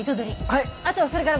はい！